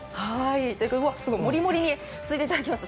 もりもりについでいただきました。